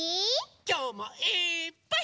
きょうもいっぱい。